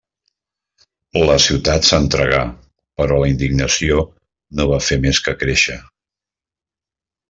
La ciutat s’entregà, però la indignació no va fer més que créixer.